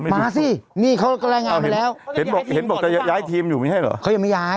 มาทำไม